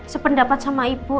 sependapat sama ibu